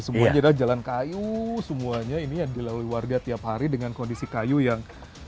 semuanya adalah jalan kayu semuanya ini yang dilalui warga tiap hari dengan kondisi kayu yang